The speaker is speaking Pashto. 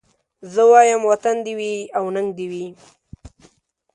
زه وايم وطن دي وي او ننګ دي وي